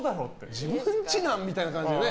自分ちなん？みたいな感じでね。